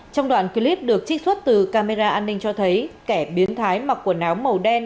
trong đoạn clip được trích xuất từ camera an ninh cho thấy kẻ biến thái mặc quần áo màu đen